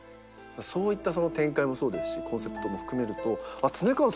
そういったその展開もそうですしコンセプトも含めると。と思ったんですけど。